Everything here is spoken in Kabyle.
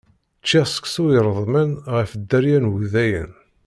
Čččiɣ seksu iṛedmen ɣef dderya n wudayen.